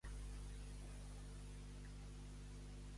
Va prosseguir amb el que volia dir encara agafat a la Montserrat?